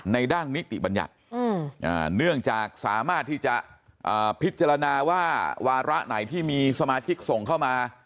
ด้านนิติบัญญัติเนื่องจากสามารถที่จะพิจารณาว่าวาระไหนที่มีสมาชิกส่งเข้ามา